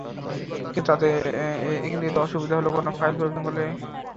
কিন্তু এতে অসুবিধা হলো কোনো ফাইল পরিবর্তন করলে সেটিকে প্রতিটি কম্পিউটারে আবার কপি করে দিতে হবে।